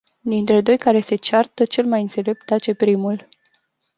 Dintre doi care se ceartă, cel mai înțelept tace primul.